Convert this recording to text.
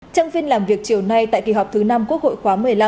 trong phiên làm việc chiều nay tại kỳ họp thứ năm quốc hội khóa một mươi năm